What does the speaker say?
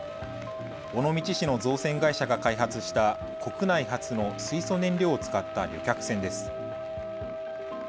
尾道市の造船会社が開発した国内初の水素燃料を使った旅客船です。